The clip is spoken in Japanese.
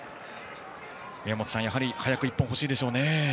宮本さん、やはり早く１本欲しいでしょうね。